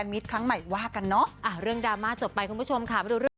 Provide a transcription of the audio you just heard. สุดท้ายแล้วก็เห็นใจทุกฝ่ายจริง